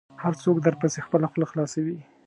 هر څوک درپسې خپله خوله خلاصوي .